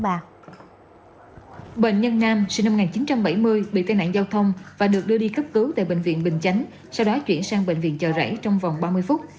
bệnh nhân nam sinh năm một nghìn chín trăm bảy mươi bị tai nạn giao thông và được đưa đi cấp cứu tại bệnh viện bình chánh sau đó chuyển sang bệnh viện chợ rẫy trong vòng ba mươi phút